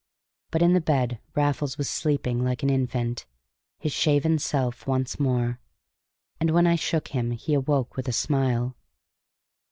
But in the bed Raffles was sleeping like an infant, his shaven self once more. And when I shook him he awoke with a smile.